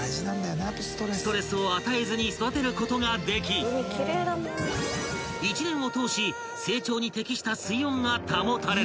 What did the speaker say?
［ストレスを与えずに育てることができ一年を通し成長に適した水温が保たれる］